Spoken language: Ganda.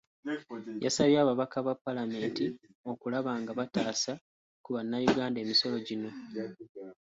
Yasabye ababaka ba Paalamenti okulaba nga bataasa ku bannayuganda emisolo gino.